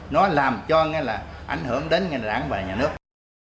nó làm cho ngay là ảnh hưởng đến ngành đảng và nhà nước